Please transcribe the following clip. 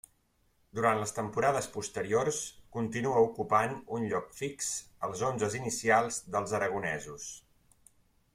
Durant les temporades posteriors continua ocupant un lloc fix als onzes inicials dels aragonesos.